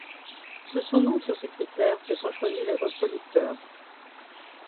Ce sont donc sur ces critères que sont choisis les reproducteurs.